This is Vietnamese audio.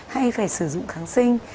hay phải sử dụng kháng sinh